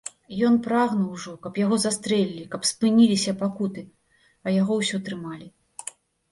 Ён прагнуў ужо, каб яго застрэлілі, каб спыніліся пакуты, а яго ўсё трымалі.